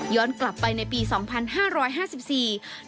ย้อนกลับไปในปี๒๕๐๐บาท